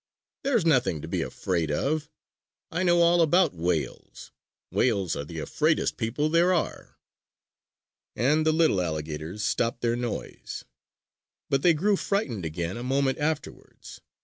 "There's nothing to be afraid of! I know all about whales! Whales are the afraidest people there are!" And the little alligators stopped their noise. But they grew frightened again a moment afterwards.